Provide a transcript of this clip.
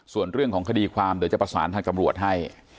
ส่วนเรื่องของคดีความเดี๋ยวจะประสานทางตำรวจให้